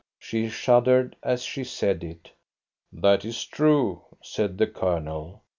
She shuddered as she said it. "That is true," said the Colonel.